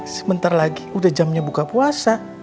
sebentar lagi udah jamnya buka puasa